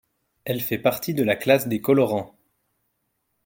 Elle fait partie de la classe des colorants.